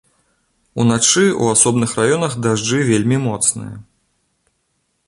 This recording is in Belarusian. Уначы ў асобных раёнах дажджы вельмі моцныя.